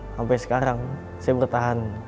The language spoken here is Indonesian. sampai sekarang saya bertahan